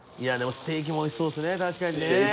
ステーキも美味しそうですね。